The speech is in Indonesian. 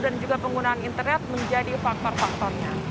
dan juga penggunaan internet menjadi faktor faktornya